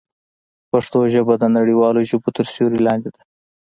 پښتو ژبه د نړیوالو ژبو تر سیوري لاندې ده.